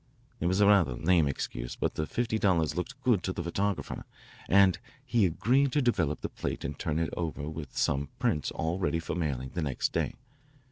It was a rather lame excuse, but the fifty dollars looked good to the photographer and he agreed to develop the plate and turn it over with some prints all ready for mailing the next day.